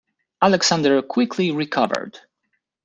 Alexander quickly recovered.